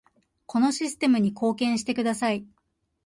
このシステムに貢献してください